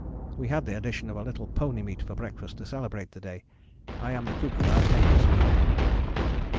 We had the addition of a little pony meat for breakfast to celebrate the day. I am the cook of our tent this week.